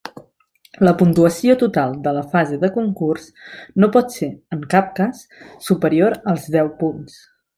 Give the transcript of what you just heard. La puntuació total de la fase de concurs no pot ser, en cap cas, superior als deu punts.